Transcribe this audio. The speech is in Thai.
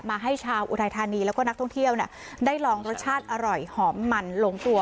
ให้ชาวอุทัยธานีแล้วก็นักท่องเที่ยวได้ลองรสชาติอร่อยหอมมันลงตัว